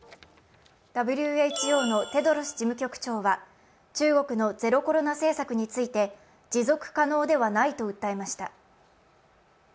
ＷＨＯのテドロス事務局長は中国のゼロコロナ政策について持続可能ではないと訴えました。